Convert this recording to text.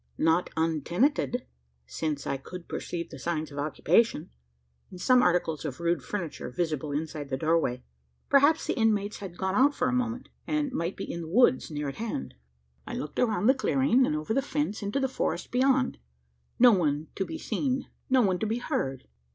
Not untenanted: since I could perceive the signs of occupation, in some articles of rude furniture visible inside the doorway. Perhaps the inmates had gone out for a moment, and might be in the woods, near at hand? I looked around the clearing, and over the fence into the forest beyond. No one to be seen no one to be heard!